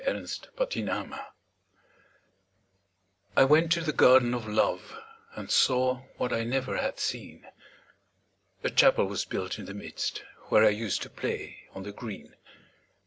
THE GARDEN OF LOVE I went to the Garden of Love, And saw what I never had seen; A Chapel was built in the midst, Where I used to play on the green.